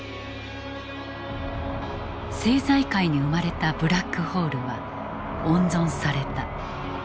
政財界に生まれたブラックホールは温存された。